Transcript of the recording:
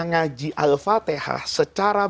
ngaji al fatihah secara